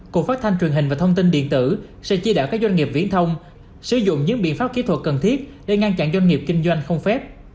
cục phát thanh truyền hình và thông tin điện tử sẽ chia đạo các doanh nghiệp viễn thông sử dụng những biện pháp kỹ thuật cần thiết để ngăn chặn doanh nghiệp kinh doanh không phép